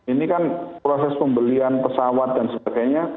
ini kan proses pembelian pesawat dan sebagainya